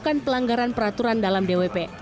melakukan pelanggaran peraturan dalam dwp